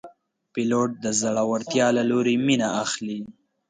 پیلوټ د زړورتیا له لورې مینه اخلي.